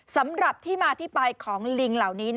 สำหรับที่มาที่ไปของลิงเหล่านี้